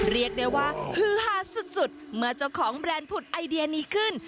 เรียกได้ว่าฮือฮาสุดเมื่อเจ้าของแบรนด์ผุดไอเดียนี้ขึ้น